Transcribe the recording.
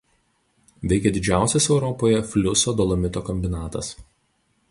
Veikia didžiausias Europoje fliuso–dolomito kombinatas.